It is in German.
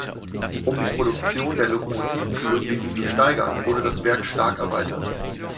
Um die Produktion der Lokomotiven möglichst zu steigern, wurde das Werk stark erweitert.